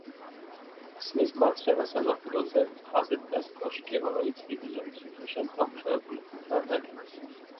ქსნის მარცხენა სანაპიროზე, მთაზე დგას კოშკი, რომელიც დიდი ზომის უხეშად დამუშავებული ქვითაა ნაგები.